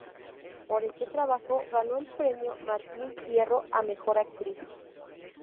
Por este trabajo ganó el Premio Martín Fierro a Mejor Actriz.